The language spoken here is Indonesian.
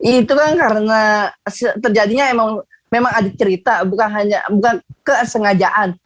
itu kan karena terjadinya emang ada cerita bukan hanya bukan kesengajaan